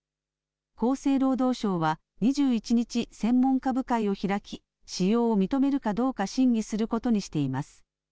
厚生労働省は２１日、専門家部会を開き、使用を認めるかどうか審議することにしています。